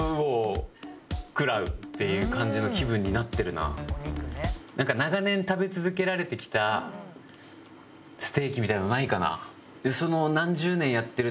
なんか長年食べ続けられてきたステーキみたいなのないかな？